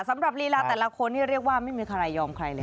สำหรับลีราตาละคนนี่เรียกว่าไม่มีใครยอมใครเลย